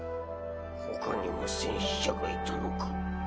ほかにも戦死者がいたのか。